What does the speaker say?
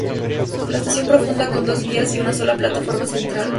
La estación profunda con dos vías y una sola plataforma central.